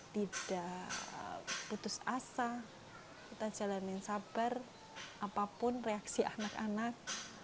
tidak putus asa kita jalanin sabar apapun reaksi anak anak